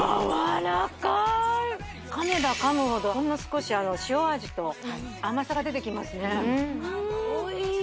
噛めば噛むほどほんの少し塩味と甘さが出てきますね